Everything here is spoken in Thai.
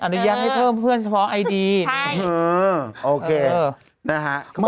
อนุญาตให้เพิ่มเพื่อนเฉพาะไอดีใช่